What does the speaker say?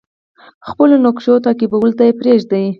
خپلو نقشو تعقیبولو ته پریږدي.